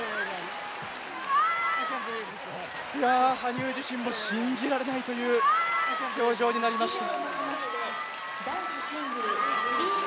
いや羽生自身も信じられないという表情になりました。